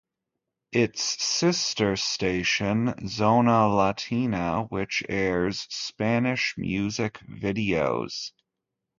Its sister station is Zona Latina which airs Spanish music videos.